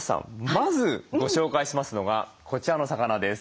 まずご紹介しますのがこちらの魚です。